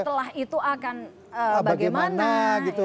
setelah itu akan bagaimana